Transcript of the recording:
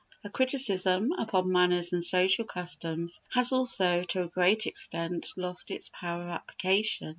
Her criticism upon manners and social customs has also, to a great extent, lost its power of application.